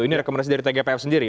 ini rekomendasi dari tgpf sendiri